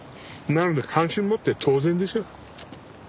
なので関心持って当然でしょう。